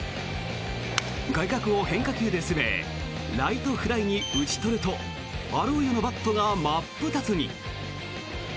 外角を変化球で攻めライトフライに打ち取るとアローヨのバットが真っ二つに。